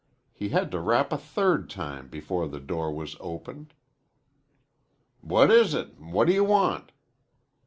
He had to rap a third time before the door was opened. "What is it? What do you want?"